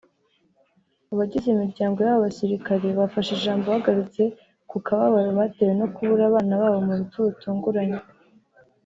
Abagize imiryango y’aba basirikare bafashe ijambo bagarutse ku kababaro batewe no kubura abana babo mu rupfu rutunguranye